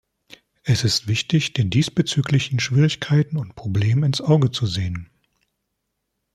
Es ist wichtig, den diesbezüglichen Schwierigkeiten und Problemen ins Auge zu sehen.